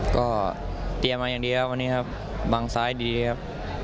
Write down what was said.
ก็เตรียมมาอย่างเดียวครับวันนี้ครับบังซ้ายดีครับ